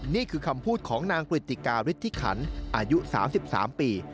นี่คือคำพูดของนางกริติการิทธิขันอายุ๓๓ปี